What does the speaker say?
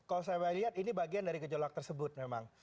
kalau saya lihat ini bagian dari gejolak tersebut memang